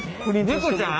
猫ちゃん？